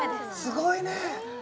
すごいね！